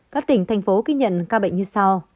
các tỉnh thành phố ghi nhận ca bệnh như sau